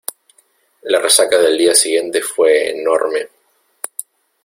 La resaca del día siguiente fue enorme.